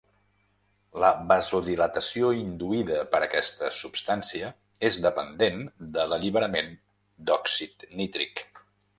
La vasodilatació induïda per aquesta substància és dependent de l’alliberament d'òxid nítric.